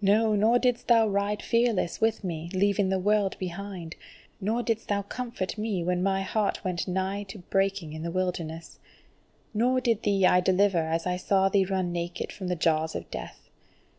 No, nor didst thou ride fearless with me, leaving the world behind; nor didst thou comfort me when my heart went nigh to breaking in the wilderness! Nor thee did I deliver as I saw thee running naked from the jaws of death.